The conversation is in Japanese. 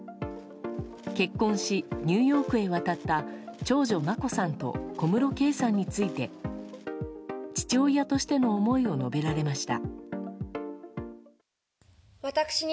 結婚し、ニューヨークへ渡った長女・眞子さんと小室圭さんについて父親としての思いを述べられました。